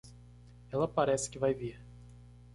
Ela parece que vai vir.